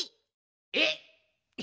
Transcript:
えっ！？